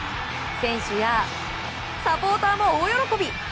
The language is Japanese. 選手やサポーターも大喜び。